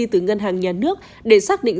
từ ngân hàng nhà nước để xác định